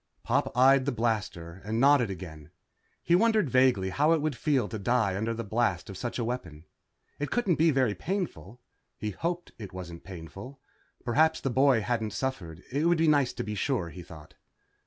Pop eyed the ready blaster and nodded again. He wondered vaguely how it would feel to die under the blast of such a weapon. It couldn't be very painful. He hoped it wasn't painful. Perhaps the boy hadn't suffered. It would be nice to be sure, he thought.